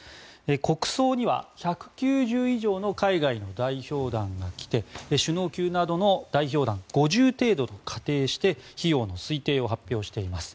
国葬には１９０以上の海外の代表団が来て首脳級などの代表団５０程度と仮定して費用の推定を発表しています。